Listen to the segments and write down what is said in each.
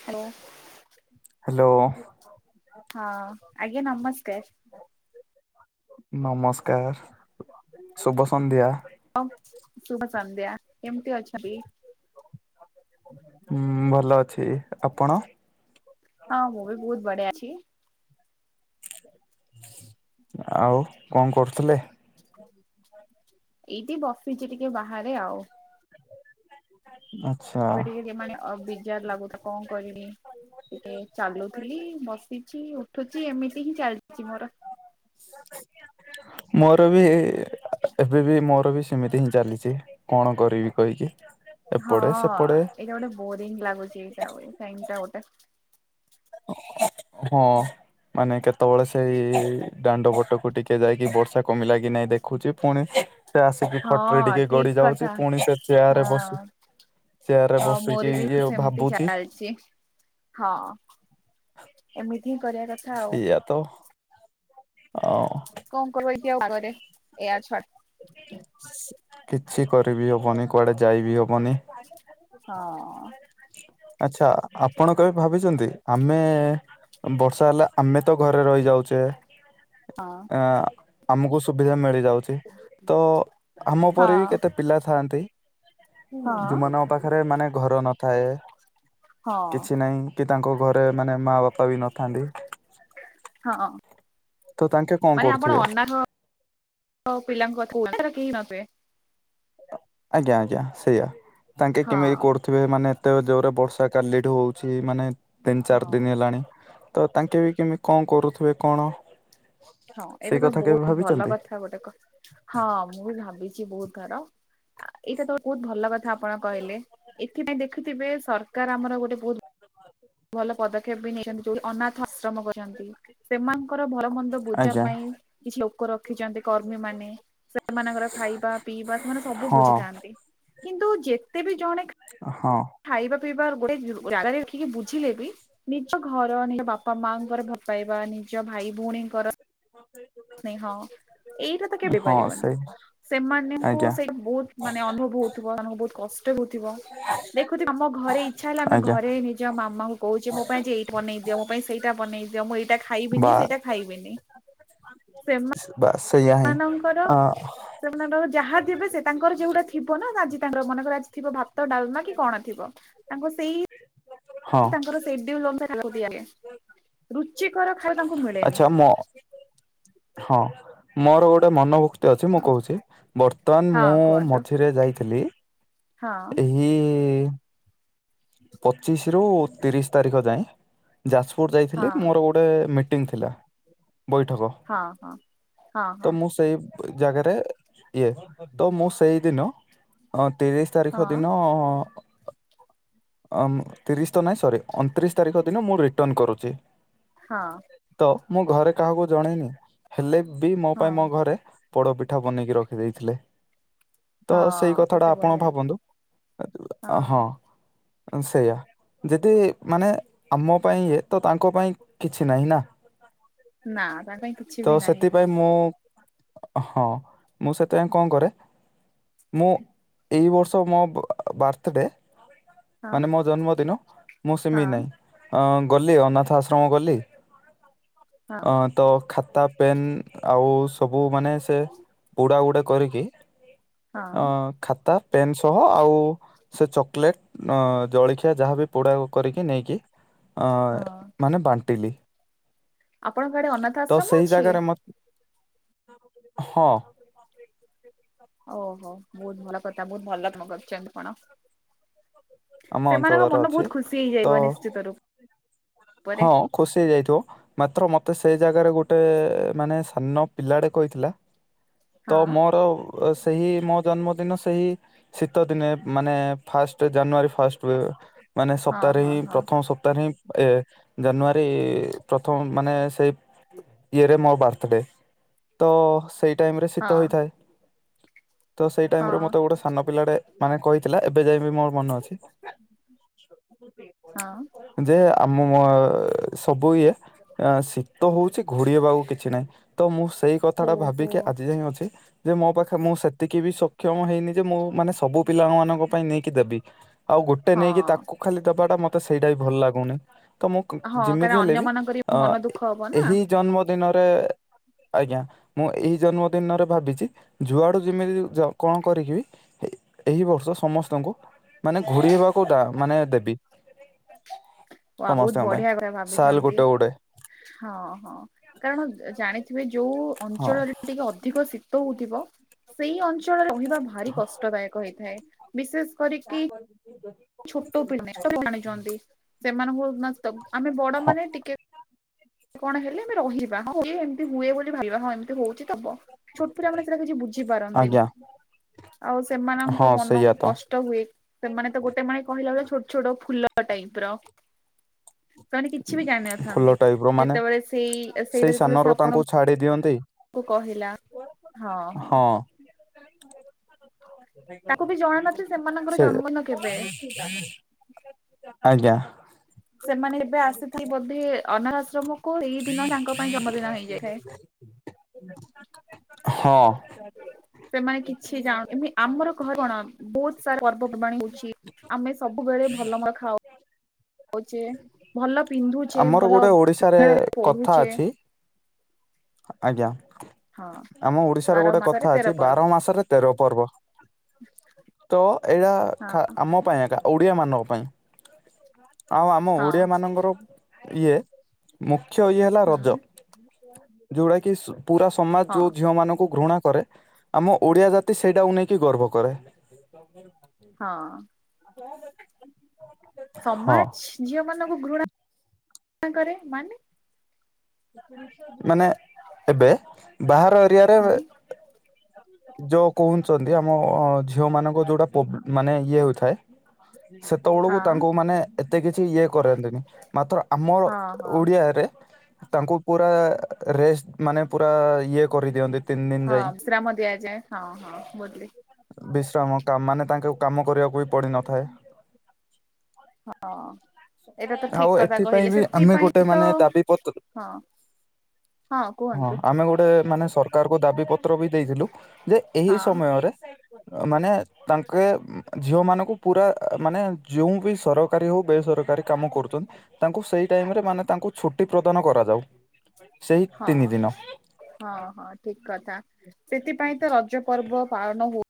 [unintelligible] Hello. ହଁ ଆଜ୍ଞା ନମସ୍କାର। ନମସ୍କାର ଶୁଭ ସନ୍ଧ୍ୟା। ହ ଶୁଭ ସନ୍ଧ୍ୟା କେମିତି ଅଛନ୍ତି? ହୁଁ ଭଲ ଅଛି, ଆପଣ? ହଁ ମୁଁ ବି ବୋହୁତ ବଢିଆ ଅଛି। ଆଉ କଣ କରୁଥିଲେ? ଏଇଠି ବସିିଚି ଟିକେ ବାହାରେ ଆଉ। ଆ ଟିକେ ଟିକେ ମାନେ ଅବିଜାର ଲାଗୁ ତ କଣ କରିବି? ଟିକେ ଚାଲୁଥିଲି ବସିଚି ଉଠୁଚି ଏମିତି ହିଁ ଚାଲିଚି ମୋର। ମୋର ବି ଏ ଏବେ ବି ମୋର ବି ସେମିତି ହିଁ ଚାଲିଚି, କଣ କରିବି କହିକି ହଁ ଏପଟେ ସେପଟେ। ଏଇଟା ଗୋଟେ ବୋରିଙ୍ଗ ଲାଗୁଚି ଏଇଟା ଇଟା ଗୋଟେ। ହଁ। ମାନେ କେତେବେଳେ ସେଇ ଦାଣ୍ଡ ବଟକୁ ଟିକେ ଯାଇକି ବର୍ଷା କମିଲା କି ନହିଁ ଦେଖୁଚି ପୁଣି ସେ ଆସିକି ଖଟ ରେ ହଁ ଟିକେ ଗଡି ଠିକ ଯାଉଚି କଥା ପୁଣି ସେ ଚେୟ ରେ ବସ ହଁ। ଚେୟାରରେ ହଁ ବସିକି ମୋର ବି ଇଏ ସେମିତି ଭାବୁଚି। ଚାଲିଛି ହଁ ଏମିତି ହିଁ କରିବା କଥା ଆଉ। ତ। ଓଉ କଣ କର [unintelligible] ପାଗରେ ଏଆ ଛଡ କିଛି କରିବି ହବନି କୁଆଡେ ଯାଇବି ହବନି। ହଁ। ଆଛା ଆପଣ କେବେ ଭାବିଚନ୍ତି ଆମେ ବର୍ଷା ହେଲା ଆମେ ତ ଘରେ ରହିଯାଉଚେ। ହଁ। ଆମକୁ ସୁବିଧା ମିଳିଯାଉଚି ତ ଆମ ଉପରେ ହଁ ବି କେତେ ପିଲା ଥାଆନ୍ତି ହଁ ଯୋଉମାନଙ୍କ ପାଖରେ ମାନେ ଘର ନଥାଏ। ହଁ କିଛି ନାହିଁ କି ତାଙ୍କ ଘରେ ମାନେ ମା ବାପା ବି ନଥାନ୍ତି। ହଁ ତ ତାଙ୍କେ କଣ ମାନେ କରୁଥିବେ ଆପଣ ଅନା ହୋଉ ପିଲାଙ୍କ କଥା ହୁ କେହି [unintelligible] ଆଜ୍ଞା ଆଜ୍ଞା ସେଇଆ ତାଙ୍କେ ହଁ କେମିତି କର ଥିବେ ମାନେ ଏତେ ଜୋର ରେ ବର୍ଷା କାଲିଠୁ ହୋଉଚି ମାନେ ତିନି ଚାରି ହଁ ଦିନ ହେଲାଣି। ତ ତାଙ୍କେ ବି କେମିତି କଣ କରୁଥିବେ କଣ? ହଁ ସେଇ ଏଇଟା ତ କଥା କେବେ ବୋହୁତ ଭଲ ଭାବିଛନ୍ତି କଥା ଗୋଟେ ହଁ ମୁଁ ବି ଭାବିଚି ବୋହୁତ ଥର। ଏଇଟା ତ ବୋହୁତ ଭଲ କଥା ଆପଣ କହିଲେ ଏଥିପାଇଁ ଦେଖୁଥିବେ ସରକାର ଆମର ଗୋଟେ ବୋହୁତ ଭଲ ପଦକ୍ଷେପ ବି ନେଇଚନ୍ତି ଯୋଉଠି ଅନାଥ ଆଶ୍ରମ ଚନ୍ତି ସେମାନଙ୍କର ଭଲ ମନ୍ଦ ବୁଝା ଆଜ୍ଞା ପାଇଁ କିଛି ଲୋକ ରଖିଚନ୍ତି କର୍ମୀ ମାନେ। ସେମାନଙ୍କର ଖାଇବା ପିଇବା ସେମାନେ ସବୁ ହଁ ବୁଝିଥାନ୍ତି, କିନ୍ତୁ ଯେତେ ବି ଜଣେ ହଁ। ଖାଇବା ପିଇବା ଗୋଟେ ଜାଗାରେ ରଖିକି ବୁଝିଲେ ବି ନିଜ ଘର ନିଜ ବାପା ବାପା ମା ଙ୍କର ଭଲପାଇବା ନିଜ ଭାଇ ଭଉଣୀଙ୍କର ନ ହଁ ଏଇଟା ତ କେବେ ହଁ ପାରିବ। ସେଇ ସେମାନଙ୍କୁ ଆଜ୍ଞା ସେଇ ବୋହୁତ ମାନେ ଅନୁଭବ ହୋଉଥିବ ମାନଙ୍କୁ ବୋହୁତ କଷ୍ଟ ହୋଉଥିବ। ଦେଖୁଥ ଆମ ଘରେ ଇଚ୍ଛା ହେଲେ ଆମେ ଆଜ୍ଞା ଘରେ ନିଜ ମାମାଙ୍କୁ କୋହୁଚି ମୋ ପାଇଁ ଯେ ଏଇ ବନେଇ ଦିଅ ମୋ ପାଇଁ ସେଇଟା ବନେଇ ଦିଅ ମୁଁ ଏଇଟା ଖାଇବିନି ସେଇଟା ଖାଇବିନି। ବାସ ସେଇଆ ହଁ ସେମାନଙ୍କର ଅ ସେମାନଙ୍କର ଯାହା ଯିବେ ସେ ତାଙ୍କର ଯୋଉଟା ଥିବ ନା ଆଜି ତାଙ୍କର ମନେକର ଆଜି ଥିବ ଭାତ ଡାଲମା କି କଣ ଥିବ ତାଙ୍କୁ ସେଇ କ ହଁ। ସେଡ୍ଡୁଲ ଅନୁସାରେ ଖାଇବାକୁ ଦିଆ ଯାଏ ରୁଚିକର ଖାଇବା ତାଙ୍କୁ ଆଚ୍ଛା ମିଳେନି। ମୋ ହଁ ମୋର ଗୋଟେ ମନୋଭୁକ୍ତି ଅଛି ମୁଁ କୋହୁଚି। ବର୍ତ୍ତମାନ ମୁଁ ହଁ କୁହନ୍ତୁ ମଝିରେ ଯାଇଥିଲି। ହଁ। ଇଏ ଏଇ ପଚିଶରୁ ତିରିଶ ତାରିଖ ଯାଏ ଯାଜପୁର ଯାଇଥିଲି ହଁ ମୋର ଗୋ ଗୋଟେ ମିଟିଂ ଥିଲା ବୈଠକ ହଁ ହଁ ହଁ ତ ହଁ ମୁଁ ସେଇ ଜାଗାରେ ଇଏ ତ ମୁଁ ସେଇଦିନ। ହଁ ତିରିଶ ତାରିଖ ହଁ ଦିନ ଅ ଅ ତିରିଶ ତ ନାହିଁ ସରି ଅଣତିରିଶ ତାରିଖ ଦିନ ମୁଁ ରିଟର୍ଣ କରୁଛି। ହଁ। ତ ମୁଁ ଘରେ କାହାକୁ ଜଣେଇନି, ହେଲେ ବି ମୋ ପାଇଁ ମୋ ହଁ ଘରେ ପୋଡ଼ ପିଠା ବନେଇକି ରଖି ଦେଇଥିଲେ। ତ ସେଇ ହଁ କଥା ଟା କେତେ ଆପଣ ବଢିଆ ଭାବନ୍ତୁ? ହଁ ସେଇୟା। ଯେତେ ମାନେ ଆମ ପାଇଁ ଇଏ ତ ତାଙ୍କ ପାଇଁ କିଛି ନାହିଁ ନା? ନା ତା ପାଇଁ ତ କିଛି ବି ନାହିଁ। ସେଥିପାଇଁ ମୁଁ, ହଁ ମୁଁ ସେଥିପାଇଁ କଣ କରେ ମୁଁ ଏଇ ବର୍ଷ ମୋ ବାର୍ଥଡ଼େ। ହଁ ମାନେ ମୋ ଜନ୍ମଦିନ, ମୁଁ ସେମି ହଁ ନାହିଁ। ଅ ଗଲି ଅନାଥ ଆଶ୍ରମ ଗଲି ହଁ ଅ ତ ଖାତା ପେନ୍ ଆଉ ସବୁ ମାନେ ସେ ବୁଡା ଗୁଡା କରିକି। ଅ ହଁ ଖାତା ପେନ୍ ସହ ଆଉ ସେ ଚକଲେଟ ଅ ଜଳଖିଆ ଯାହା ବି ପୋଡ଼ା କରିକି ନେଇକି ଅ ହଁ ମାନେ ବାଣ୍ଟିଲି। ଆପଣଙ୍କ ଆଡେ ଅନାଥ ତ ଆଶ୍ରମ ସେଇ ଅଛି ଜାଗାରେ ମ [inaudible] ହଁ। ଓହୋ, ବହୁତ ଭଲ କଥା, ବହୁତ ଭଲ ତମେ କରିଛନ୍ତି କଣ। ଆମ ସେମାନଙ୍କ ଅଞ୍ଚଳରେ ମନ ଅଛି ବହୁତ ଖୁସି ହେଇ ତ ଯାଇଥିବ ନିଶ୍ଚିତରୂ। ହଁ ଖୁସି ହେଇ ଯାଇଥିବ। ମାତ୍ର ମୋତେ ସେ ଜାଗାରେ ଗୋଟେ ମାନେ ସାନ ପିଲାଟେ କହିଥିଲା। ତ ହଁ ମୋର ସେହି ମୋ ଜନ୍ମଦିନ ସେହି ଶୀତ ଦିନେ ମାନେ ଫାଷ୍ଟ ଜାନୁଆରୀ ଫାଷ୍ଟ ହୁଏ। ମାନେ ହଁ ସପ୍ତାହରେ ହଁ ହିଁ ହଁ ପ୍ରଥମ ସପ୍ତାହରେ ହିଁ ଏ ଜାନୁଆରୀ ପ୍ରଥମ ମାନେ ସେଇ ଇଏରେ ମୋ ବାର୍ଥଡେ ତ ସେଇ ଟାଇମରେ ଶୀତ ହଁ ହୋଇଥାଏ ତ ସେଇ ହଁ ଟାଇମ ରେ ମତେ ଗୋଟେ ସାନ ପିଲାଟେ ମାନେ କହିଥିଲା ଏବେ ଯାଇ ବି ମୋର ମନ ଅଛି। ହଁ। ଯେ ଆମ ମ ସବୁ ଇଏ ଶୀତ ହଉଛି ଘୋଡିବାକୁ କିଛି ନାହିଁ ତ ମୁଁ ସେଇ କଥାଟା ଓହୋ ଭାବିକି ଆଜି ଯାଇଁ ଅଛି। ଯେ ମୋ ପାଖେ ମୁଁ ସେତିକି ବି ସକ୍ଷମ ହେଇନି ଯେ ମୁଁ ମାନେ ସବୁ ପିଲା ମାନଙ୍କ ପାଇଁ ନେଇକି ଦେବି। ଆଉ ଗୋଟେ ନେଇକି ହଁ ତାକୁ ଖାଲି ଦେବା ଟା ମତେ ସେଇଟା ବି ଭଲ ଲାଗୁନି। ତ ମୁଁ କ ହଁ କାରଣ ଯେମିତି ହେଲେ ବି ଅନ୍ୟମାନଙ୍କର ଆ ମନ ଦୁଃଖ ହବ ନା ଏହି ଜନ୍ମଦିନରେ ଆଜ୍ଞା, ମୁଁ ଏହି ଜନ୍ମଦିନରେ ଭାବିଛି ଯୁଆଡ଼ୁ ଯେମିତି କଣ କରିକି ବି ଏ ଏହି ବର୍ଷ ସମସ୍ତଙ୍କୁ ମାନେ ଘୋଡିବାକୁ ମାନେ ଦେବି। ୱାଉ ବହୁତ ସମସ୍ତଙ୍କ ପାଇଁ ବଢିଆ ବଢିଆ ସାଲ ଭାବିଛନ୍ତି। ଗୋଟେ ଗୋଟେ ହଁ ହଁ କାରଣ ଜାଣିଥିବେ ଯୋଉ ହଁ ଅଞ୍ଚଳରେ ଟିକେ ଅଧିକ ଶୀତ ହଉଥିବ ସେଇ ଅଞ୍ଚଳରେ ରହିବା ଭାରି କଷ୍ଟଦାୟକ ହେଇଥାଏ। ବିଶେଷ କରିକି [inaudible] ଛୋଟ ପିଲାମାନେ ଛୋଟ ପିଲାମାନେ ଆଣିଛନ୍ତି ସେମାନଙ୍କୁ ନାଁ ସେ ଦେବୁ ଆମେ ବଡ଼ ହଁ ମାନେ ଟିକେ କଣ ହେଲେ ଆମେ ରହିବା, ହଁ ହୁଏ ଏମତି ହୁଏ ବୋଲି ଭାବିବା ହଁ ଏମତି ହଉଛି ତ ହବ। ଛୋଟ୍ ପିଲାମାନେ ସେଇଟା କିଛି ବୁଝି ପାରନ୍ତିନି ଆଜ୍ଞା ଆଉ ସେମାନଙ୍କ ହଁ ସେଇଆ ମନକୁ ତ କଷ୍ଟ୍ ଟ ହୁଏ, ସେମାନେ ତ ଗୋଟେ ମାନେ କହିଲା ବେଳେ ଛୋଟ୍ ଛୋଟ ଫୁଲ ଟାଇପ୍ ର। ସେମାନେେ କିଛି ବି ଜାଣି ନଥାନ୍ତି। କଉ ମାନେ ସେଇ ସାନରୁ ତାଙ୍କୁ ଛାଡ଼ି ଦିଅନ୍ତି। କୁ କହିଲା ହଁ ହଁ। ତାକୁ ବି ଜଣା ନଥିଲା ସେମାନଙ୍କର ସେ ଜନ୍ମଦିନ କେବେ। [unintelligible] ଆଜ୍ଞା ସେମାନେ ଯେବେ ଆସିଥିବେ ବୋଧେ ଅନାଥ ଆଶ୍ରମକୁ ସେଇ ଦିନ ହିଁ ତାଙ୍କ ପାଇଁ ଜନ୍ମଦିନ ହେଇଯାଇଥାଏ। [unintelligible] ହଁ। ସେମାନେ କିଛି ଜାଣନ୍ତି ନି ଆମର ଘର କଣ ବହୁତ ସାରା ପର୍ବପର୍ବାଣି ଆମେ ସବୁବେଳେ ଭଲ ମ ଖାଉ ଉଛେ ଭଲ ପିନ୍ଧୁଛେ ଆମର ଭଲ ଗୋଟେ ଓଡିଶାରେ [unintelligible] କଥା ପଢୁଛେ। ଅଛି ଆଜ୍ଞା ହଁ ଆମ ଓଡିଶାର ବାର ଗୋଟେ ମାସରେ କଥା ତେର ଅଛି ପର୍ବ। ବାର ମାସରେ ତେର ପର୍ବ। ତ ଏଇଟା ଖା ଆମ ପାଇଁ ଏକା ଓଡିଆ ମାନଙ୍କ ପାଇଁ। ଆଉ ଆମ ହଁ ଓଡିଆ ମାନଙ୍କର ଇଏ ମୁଖ୍ୟ ଇଏ ହେଲା ରଜ। ହୁଁ ଯୋଉଟାକି ପୁରା ସମାଜ ହଁ ଯୋଉ ଝିଅ ମାନଙ୍କୁ ଘୃଣା କରେ। ଆମ ଓଡ଼ିଆ ଜାତି ସେଇଟାକୁ ନେଇକି ଗର୍ବ କରେ। [unintelligible] ହଁ। [unintelligible] ହଁ ସମାଛ୍ ଝିଅ ମାନଙ୍କୁ ଘୃଣା କରେ ମାନେ ମାନେ ଏବେ ବାହାର ଏରିଆରେ ହୁଁ ଯୋ କହୁଛନ୍ତି ଆମ ଝିଅ ମାନଙ୍କ ଯୋଉଟା ପୋ ମାନେ ଇଏ ହୋଇଥାଏ। ସେତେବଳକୁ ହଁ ତାଙ୍କୁ ମାନେ ଏତେ କିଛି ଇଏ କରାନ୍ତିନି। ମାତ୍ର ଆମ ହଁ ହଁ ଓଡ଼ିଆରେ ତାଙ୍କୁ ପୁରା ରେଷ୍ଟ୍ ମାନେ ପୁରା ଇଏ କରିଦିଅନ୍ତି ତିନ୍ ଦିନ ଯାଇଁ। ରାମ ଦିଆଯାଏ ହଁ ହଁ [unintelligible] ବିଶ୍ରାମ କାମ ମାନେ ତାଙ୍କୁ କାମ କରିବାକୁ ବି ପଡ଼ି ନଥାଏ। ହୋହୋଅ। [unintelligible] ଆଉ ଏଥିପାଇଁ ବି ଆମେ ଗୋଟେ ତ ମାନେ ଦାବି ପତ୍ର ହଁ ହଁ ଆମେ ଗୋଟେ ମାନେ ସର୍କାର୍ କୁ ଦାବି ପତ୍ର ବି ଦେଇଥିଲୁ ଯେ ଏହି ହଁ। ସମୟ ଅରେ [unintelligible] ମାନେ ତାଙ୍କେ ଝିଅମାନଙ୍କୁ ପୁରା ମାନେ ଯେଉଁ ବି ସରକାରୀ ହେଉ ବେସରକାରୀ କାମ କରୁଛନ୍ତି। ତାଙ୍କୁ ସେଇ ଟାଇମ୍ ରେ ମାନେ ତାଙ୍କୁ ଛୁଟି ପ୍ରଦାନ କରାଯାଉ। ସେହି ହଁ। ତିନି ଦିନ ହଁ ହଁ ଠିକ୍ କଥା ସେଥିପାଇଁ ତ ରଜ ପର୍ବ ପାଳନ ହଉ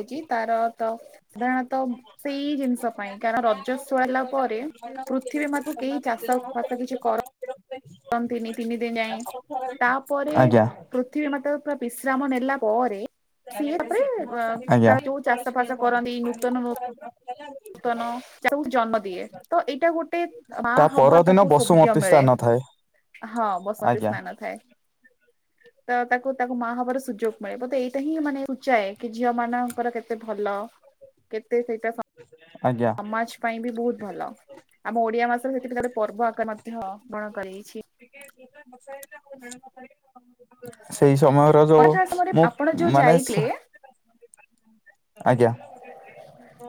ଉଚି ତାର ତ ସାଧାରଣତଃ ସେଇ ଜିନିଷ ପାଇଁ କାରଣ ରଜସ୍ଵ ହେଲା ପରେ ପୃଥିବୀ ମା କୁ କେଇ ଚାଷ ଫାଷ କିଛି କର ରନ୍ତି ନି ତିନି ଦିନ୍ ଯାଏଁ ତାପରେ ଆଜ୍ଞା। ପୃଥିବୀ ମାତା କୁ ପୁରା ବିଶ୍ରାମ ନେଲା ପରେ ସିଏ ତାପରେ ୱ ଆଜ୍ଞା। ତା ଯୋଉ ଚାଷ ଫାସ କରନ୍ତି ନୂତନ ହଉ [unintelligible] ତନ [unintelligible] ଜନ୍ମ ଦିଏ ତ ଏଇଟା ଗୋଟେ ମା ତା ହବା ପରଦିନ ତାକୁ ବସୁମତୀ [unintelligible] ମିଳେ ସ୍ଥାନ ଥାଏ ହଁ ବସତୀ ଆଜ୍ଞା ସ୍ନାନ ଥାଏ। [inaudible] ତ ତାକୁ ତାକୁ ମା ହବାର ସୁଯୋଗ ମିଳେ ମୋତେ ଏଇଟା ହିଁ ମାନେ ଉଚାଏ କି ଝିଅ ମାନଙ୍କର କେତେ ଭଲ କେତେ ସେଇଟା ସ ଆଜ୍ଞା ମାଚ୍ ପାଇଁ ବି ବହୁତ୍ ଭଲ ଆମ ଓଡ଼ିଆ ମାସ ସେଥିପାଇଁ ଗୋଟେ ପର୍ବ ଆକାର ମଧ୍ୟ ଗ୍ରହଣ କରାଯାଇଛି। [unintelligible] ସେଇ ସମୟ- ର ଯୋଉ ଅନାଥ ଆଶ୍ରମରେ ମୁଁ ଆପଣ ଯୋଉ ମାନେ ଯାଇଥିଲେ ସ- ଆଜ୍ଞା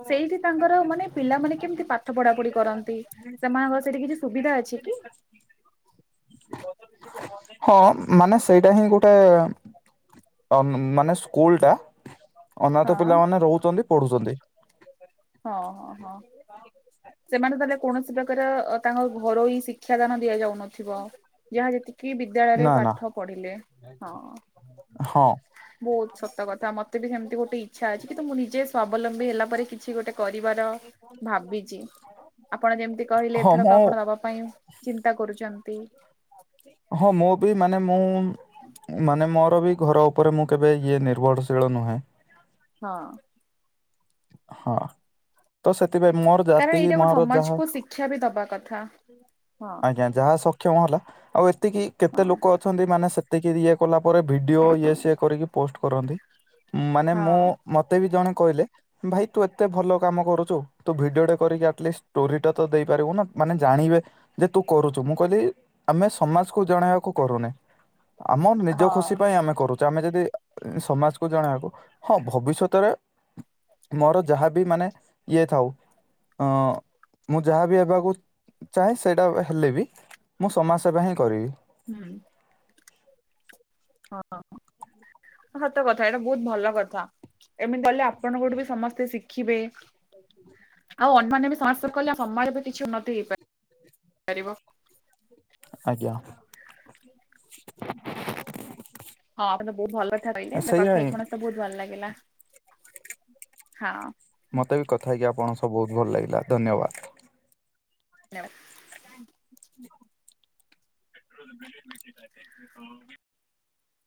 ସେଇଠି ତାଙ୍କର ମାନେ ପିଲାମାନେ କେମିତି ପାଠ ପଢା ପଢି କରନ୍ତି? ସେମାନଙ୍କ ସେଠି କିଛି ସୁବିଧା ଅଛି କି? ହଁ ମାନେ ସେଇଟା ହିଁ ଗୋଟେ ଅ ମାନେ ସ୍କୁଲ୍ ଟା ଅନାଥ ହଁ ପିଲାମାନେ ରହୁଚନ୍ତି ପଢ଼ୁଚନ୍ତି। ହଁ ହଁ ହଁ। ସେମାନେ ତାଏଲେ କୌଣସି ପ୍ରକାର ତାଙ୍କ ଘରୋଇ ଶିକ୍ଷା ଦାନ ଦିଆଯାଉନଥିବ ଯାଆ ଯେତିକି କି ବିଦ୍ୟାଳୟରେ ନା ନା ପାଠ ପଢ଼ିଲେ ହଁ। ହଁ ବୋହୁତ ସତ କଥା ମତେ ବି ସେମିତି ଗୋଟେ ଇଚ୍ଛା ଅଛି କିନ୍ତୁ ମୁଁ ନିଜେ ସ୍ୱାବଲମ୍ବୀ ହେଲା ପରେ କିଛି ଗୋଟେ କରିବାର ଭାବିଚି ଆପଣ ଯେମିତି କହିଲେ ହଁ ଏଥରକ ମୁଁ ଆପଣ ପାଇଁ ଚିନ୍ତା କରୁଚନ୍ତି। ହଁ ମୁଁ ବି ମାନେ ମୁଁ ମାନେ ମୋର ବି ଘର ଉପରେ ମୁଁ କେବେ ଇଏ ନିର୍ଭରଶୀଳ ନୁହେଁ। ହଁ। ହଁ ତ ସେଥିପାଇଁ ମୋର କାରଣ ଜାତି ଏଇଟା ଗୋଟେ ମୋର ଯାହା ସମାଜକୁୁ ଶିକ୍ଷା ବି ଦବା କଥା, ହଁ। ଆଜ୍ଞା ଯାହା ସକ୍ଷମ ହେଲା ଆଉ ଏତିକି କେତେ ହଁ। ଲୋକ ଅଛନ୍ତି ମାନେ ସେତିକି ଇଏ କଲା ପରେ ଭିଡ଼ିଓ ଇଏ ସିଏ କରିକି ପୋଷ୍ଟ କରନ୍ତି ମାନେ ହଁ ମୁଁ ମତେ ବି ଜଣେ କହିଲେ ଭାଇ ତୁ ଏତେ ଭଲ କାମ କରୁଚୁ ତୁ ଭିଡିଓଟେ କରିକି ଆଟଲିଷ୍ଟ ଷ୍ଟୋରିଟା ତ ଦେଇପାରିବୁ ନା ମାନେ ଜାଣିବେ ଯେ ତୁ କରୁଚୁ ମୁଁ କହିଲି ଆମେ ସମାଜକୁୁ ଜଣେଇବାକୁ କରୁନେ। ଆମର ନିଜ ହଁ ଖୁସି ପାଇଁ ଆମେ କରୁଚେ ଆମେ ଯଦି ସମାଜକୁ ଜଣେଇବାକୁ ହଁ ଭବିଷ୍ୟତରେ ମୋର ଯାହାବି ମାନେ ଇଏ ଥାଉ ଅଁ ମୁଁ ଯାହାବି ହେବା ଚାହେଁ ସେଇଟା ହେଲେ ବି ମୁଁ ସମାଜ ସେବା ହିଁ କରିବି। ହୁଁ। ହଁ ସତ କଥା ଏଇଟା ବୋହୁତ ଭଲ କଥା। ଏମିତି କଲେ ଆପଣଙ୍କୋଠୁ ବି ସମସ୍ତେ ଶିଖିବେ। ଆଉ ଅନ୍ୟମାନେ ବି ସମସ କଲେ ସମୟରେ ବି କିଛି ଉନ୍ନତି ହେଇଇପାରିବ। ଆଜ୍ଞା। ହଁ ଆପଣ ତ ବୋହୁତ ଭଲ କଥା କହିଲେ ସେଇଆ ତଥାପି ହିଁ କଣ ତ ବୋହୁତ ଭଲ ଲାଗିଲା ହଁ। ମୋତେ ବି କଥା ହେଇକି ଆପଣ ସହ ବୋହୁତ ଭଲ ଲାଗିଲା ଧନ୍ୟବାଦ। ଲ [unintelligible]